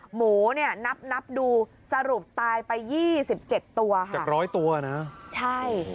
หมูนี่นับดูสรุปตายไป๒๗ตัวค่ะจากร้อยตัวนะใช่